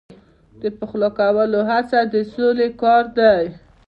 د پخلا کولو هڅه د سولې کار دی.